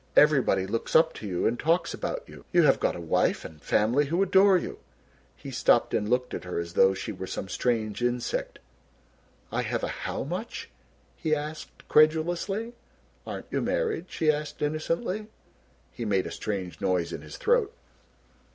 Everybody looks up to you and talks about you. You have got a wife and family who adore you " He stopped and looked at her as though she were some strange insect. "I have a how much?" he asked credulously. "Aren't you married?" she asked innocently. He made a strange noise in his throat.